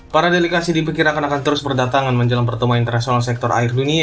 para delegasi diperkirakan akan terus berdatangan menjelang pertemuan internasional sektor air dunia